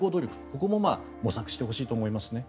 ここも模索してほしいと思いますね。